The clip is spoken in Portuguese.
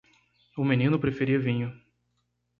O menino preferia vinho.